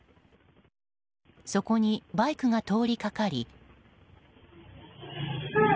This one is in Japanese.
そこにバイクが通りかかり。